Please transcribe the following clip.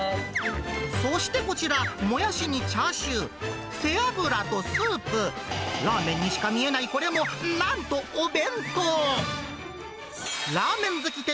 そしてこちら、もやしにチャーシュー、背脂とスープ、ラーメンにしか見えないこれもなんとお弁当。